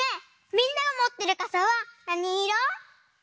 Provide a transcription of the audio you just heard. みんながもってるかさはなにいろ？